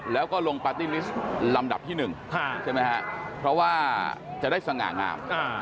แล้วก็ลงปาร์ตี้ลิสต์ลำดับที่๑ใช่ไหมฮะเพราะว่าจะได้สง่างาม